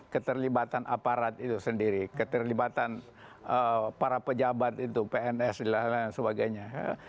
keterlibatan aparat itu sendiri keterlibatan para pejabat itu pns dan lain sebagainya